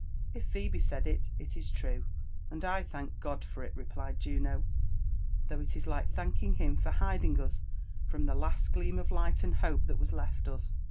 If Pliebe sard it, it is true, and I thank Ood for it," feplied Juno; " though it is like thanking him for hiding froriii us the lase gteam ist light and hope Ihalt was left us.